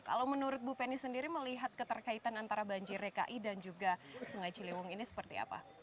kalau menurut bu penny sendiri melihat keterkaitan antara banjir dki dan juga sungai ciliwung ini seperti apa